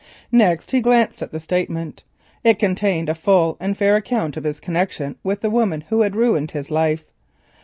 Next he glanced at the Statement. It contained a full and fair account of his connection with the woman who had ruined his life.